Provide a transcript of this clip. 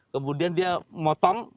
kemudian dia motong